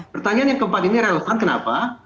pertanyaan yang keempat ini relevan kenapa